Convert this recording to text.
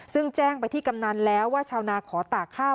ซึ่งแจ้งไปที่กำนันแล้วว่าชาวนาขอตากข้าว